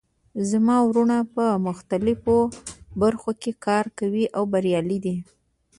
زما وروڼه په مختلفو برخو کې کار کوي او بریالي دي